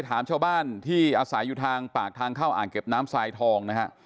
ถามชาวบ้านที่อาศัยอยู่ทางปากทางเข้าอ่างเก็บน้ำทรายทองนะฮะ